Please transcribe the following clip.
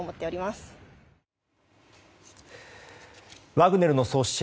ワグネルの創始者